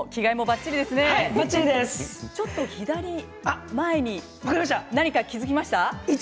ちょっと左前に何か気付きました。